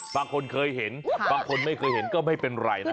บางคนเคยเห็นบางคนไม่เคยเห็นก็ไม่เป็นไรนะ